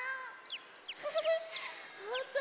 フフフほんとだ！